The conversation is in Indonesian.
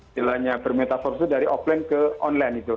silahannya bermetafor itu dari offline ke online itu